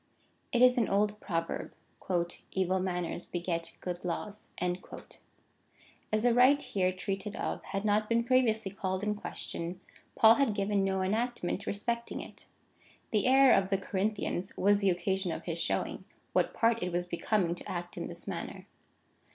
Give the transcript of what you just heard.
It is an old proverb :" Evil manners beget good laws."^ As the rite here treated of had not been previously called in question, Paul had given no enactment respecting it.^ The error of the Corinthians was the occasion of his showing, what part it was becoming to act in this matter.